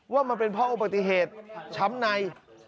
ว่ามันเป็นพอปฏิเหตุช้ำใน